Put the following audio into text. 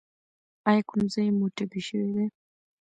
ایا کوم ځای مو ټپي شوی دی؟